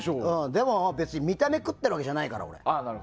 でも、別に見た目食ってるわけじゃないから、俺。